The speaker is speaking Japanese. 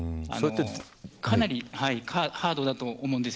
かなりハードだと思うんです。